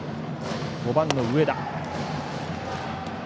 ５番、上田。